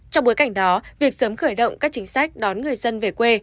trong bối cảnh đó việc sớm khởi động các chính sách đón người dân về quê